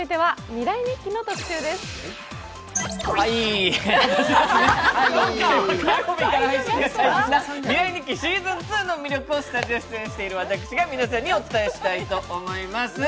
「未来日記」シーズン２の魅力をスタジオ出演している私が皆様にお伝えしたいと思います。